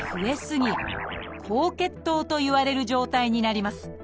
高血糖といわれる状態になります。